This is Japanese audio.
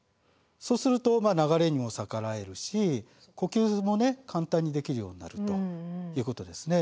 そうするとまあ流れにも逆らえるし呼吸もね簡単にできるようになるということですね。